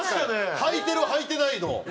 「はいてるはいてない」の。